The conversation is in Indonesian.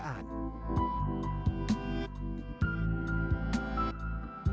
kain tenun songket